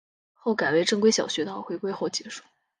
后改为正规小学到回归后结束。